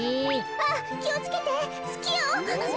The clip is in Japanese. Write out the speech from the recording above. あっきをつけてつきよ。